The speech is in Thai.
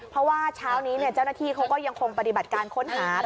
เพราะว่าเช้านี้เจ้าหน้าที่เขาก็ยังคงปฏิบัติการค้นหา